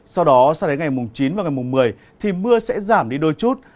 sau đó sau đến ngày chín và ngày một mươi thì mưa sẽ giảm đi đôi chút